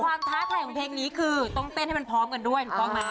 ความท้าทายของเพลงนี้คือต้องเต้นให้มันพร้อมกันด้วย